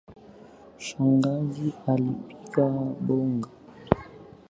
Shangazi alipika mboga.